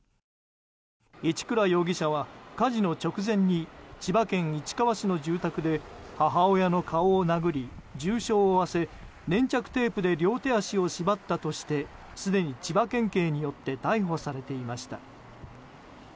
一倉容疑者は火事の直前に千葉県市川市の住宅で母親の顔を殴り重傷を負わせ粘着テープで両手足を縛ったとしてすでに千葉県警によって逮捕されていました。